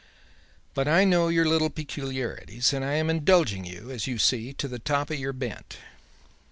But I know your little peculiarities and I am indulging you, as you see, to the top of your bent.